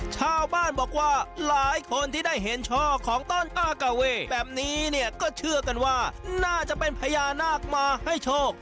ชาวบ้านบอกว่าหลายคนที่ได้เห็นช่อของต้นอากาเว่แบบนี้เนี่ยก็เชื่อกันว่าน่าจะเป็นพญานาคมาให้โชค